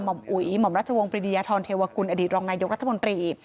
อุ๋ยหม่อมราชวงศ์ปริยธรรมเทวกุลอดีตรองนายกรัฐมนตรี